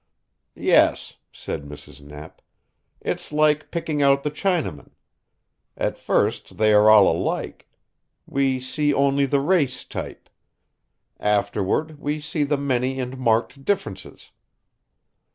"Yes," said Mrs. Knapp. "It's like picking out the Chinamen. At first they are all alike. We see only the race type. Afterward, we see the many and marked differences."